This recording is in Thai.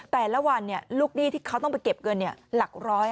แต่ละวันลูกหนี้ที่เขาต้องไปเก็บเงินหลักร้อย